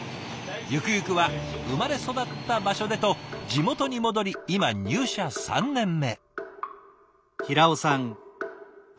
ゆくゆくは生まれ育った場所でと地元に戻り今入社３年目。